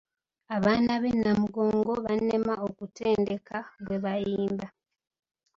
Abaana b'e Namugongo bannema okutendeka bwe bayimba.